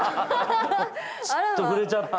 ちょっと触れちゃった。